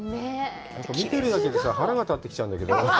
見てるだけでさ、腹が立ってきちゃうんだけど。